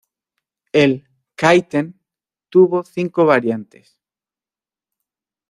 El "kaiten" tuvo cinco variantes.